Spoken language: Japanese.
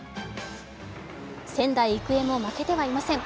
仙台育英も負けてはいません。